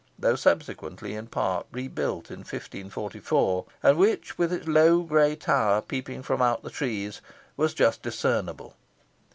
though subsequently in part rebuilt in 1544, and which, with its low grey tower peeping from out the trees, was just discernible.